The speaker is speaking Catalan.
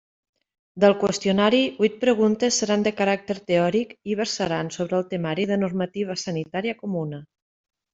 Del qüestionari, huit preguntes seran de caràcter teòric i versaran sobre el temari de normativa sanitària comuna.